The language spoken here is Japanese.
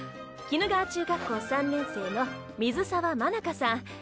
鬼怒川中学校３年生の水沢愛佳さん